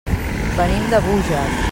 Venim de Búger.